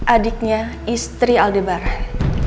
adiknya istri adebaran